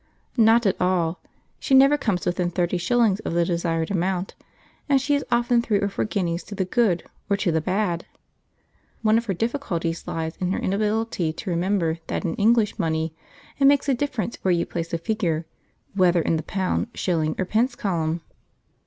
Not at all. She never comes within thirty shillings of the desired amount, and she is often three or four guineas to the good or to the bad. One of her difficulties lies in her inability to remember that in English money it makes a difference where you place a figure, whether, in the pound, shilling, or pence column.